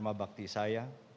kepada bangsa dan negara